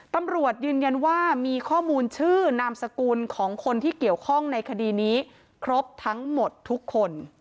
ตำรวจยืนยันว่ามีข้อมูลชื่อนามสกุลของคนที่เกี่ยวข้องในคดีนี้ครบทั้งหมดทุกคน